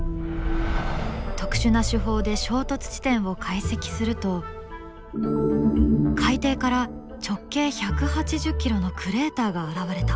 特殊な手法で衝突地点を解析すると海底から直径１８０ｋｍのクレーターが現れた。